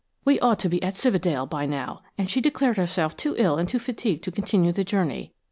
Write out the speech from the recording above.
"We ought to be at Cividale by now–and she declared herself too ill and too fatigued to continue the journey.